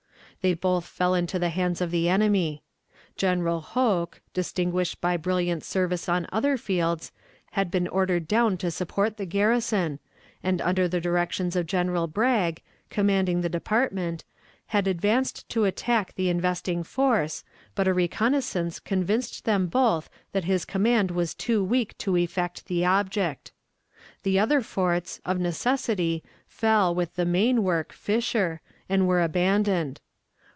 They both fell into the hands of the enemy. General Hoke, distinguished by brilliant service on other fields, had been ordered down to support the garrison, and under the directions of General Bragg, commanding the department, had advanced to attack the investing force, but a reconnaissance convinced them both that his command was too weak to effect the object. The other forts, of necessity, fell with the main work, Fisher, and were abandoned.